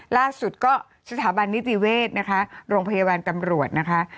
ล่าสุดก็สถาบันนิติเวศนะคะโรงพยาบาลตำรวจนะคะ